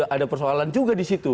ada persoalan juga disitu